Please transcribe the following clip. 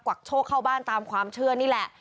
วักโชคเข้าบ้านตามความเชื่อนี่แหละ